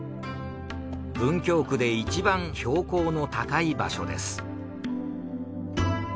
文京区でいちばん標高の高い場所です。